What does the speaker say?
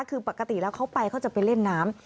คือปกติแล้วเขาไปเขาจะไปเล่นน้ำ